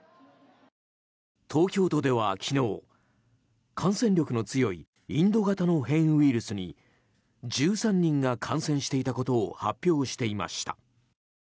東京都では、昨日感染力の強いインド型の変異ウイルスに１３人が感染していたことを発表していました。